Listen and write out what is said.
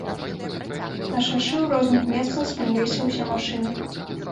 На шашы, у розных месцах, спыніліся ўсе машыны.